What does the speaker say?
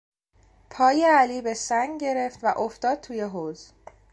پای علی به سنگ گرفت و افتاد توی حوض.